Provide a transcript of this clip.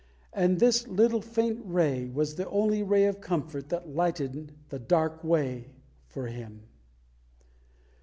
And this little faint ray was the only ray of comfort that lightened the dark way for him.